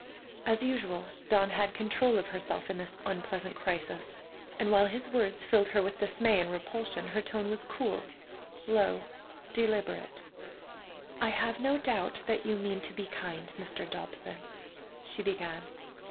As usual, Dawn had control of herself in this unpleasant crisis, and while his words filled her with dismay and repulsion her tone was cool, low, deliberate: "I have no doubt you mean to be kind, Mr. Dobson——" she began.